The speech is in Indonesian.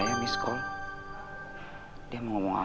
aku izin kerabut dulu ya